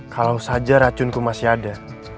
kalau saja racunku masih ada